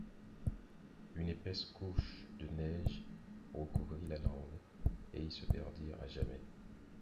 Une épaisse couche de neige recouvrit la lande et ils se perdirent à jamais.